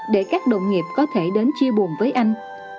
để các đồng nghiệp có thể đến chia buồn với anh